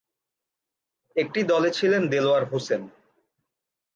একটি দলে ছিলেন দেলোয়ার হোসেন।